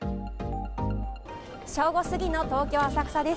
正午過ぎの東京・浅草です。